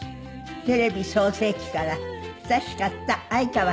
テレビ創成期から親しかった愛川欽也さん。